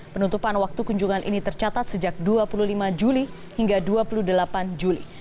penutupan waktu kunjungan ini tercatat sejak dua puluh lima juli hingga dua puluh delapan juli